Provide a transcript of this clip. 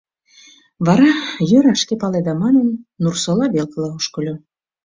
Вара «йӧра, шке паледа» манын, Нур-Сола велкыла ошкыльо.